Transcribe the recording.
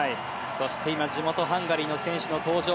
そして地元ハンガリーの選手の登場。